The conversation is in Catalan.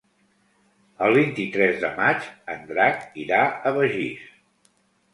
El vint-i-tres de maig en Drac irà a Begís.